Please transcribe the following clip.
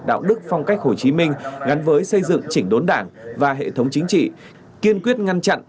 đạo đức phong cách hồ chí minh gắn với xây dựng chỉnh đốn đảng và hệ thống chính trị kiên quyết ngăn chặn